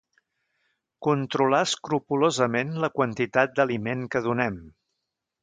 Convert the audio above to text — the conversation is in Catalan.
Controlar escrupolosament la quantitat d'aliment que donem.